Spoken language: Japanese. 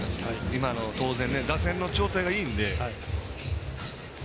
今の当然、打線の状態がいいので。